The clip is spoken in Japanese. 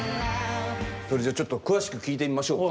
それじゃあちょっと詳しく聞いてみましょうか。